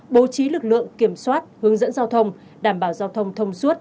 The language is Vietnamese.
bố trí lực lượng kiểm soát hướng dẫn giao thông đảm bảo giao thông thông suốt